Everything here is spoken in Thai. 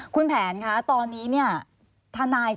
คุณแผนคะตอนนี้เนี่ยทนาย